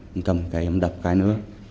em cầm cái em đập cái nữa